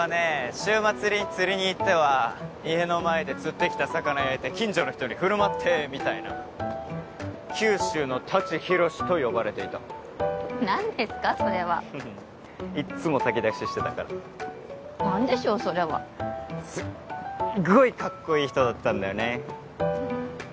週末に釣りに行っては家の前で釣ってきた魚焼いて近所の人に振る舞ってみたいな九州の舘ひろしと呼ばれていた何ですかそれはいっつも炊き出ししてたから何でしょうそれはすっごいカッコいい人だったんだよね